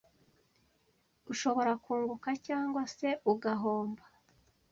ushobora kunguka cyangwa se ugahomba.